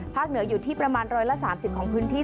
เหนืออยู่ที่ประมาณ๑๓๐ของพื้นที่